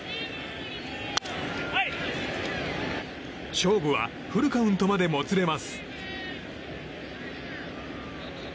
勝負はフルカウントまでもつれます。